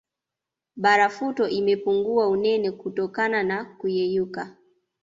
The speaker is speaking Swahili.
Barafuto imepungua unene kutokana na kuyeyuka